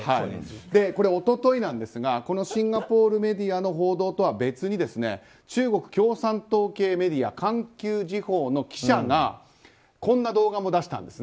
一昨日なんですがシンガポールメディアの報道とは別に中国共産党系メディア環球時報の記者がこんな動画を出したんです。